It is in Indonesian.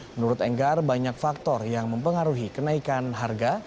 menurut enggar banyak faktor yang mempengaruhi kenaikan harga